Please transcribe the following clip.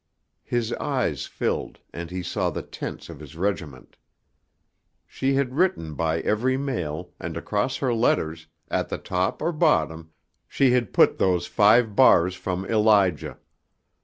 His eyes filled, and he saw the tents of his regiment. She had written by every mail, and across her letters, at the top or bottom, she had put those five bars from "Elijah."